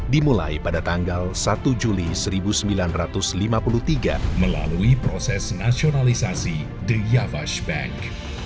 dimulai pada tanggal satu juli seribu sembilan ratus lima puluh tiga melalui proses nasionalisasi the yavash bank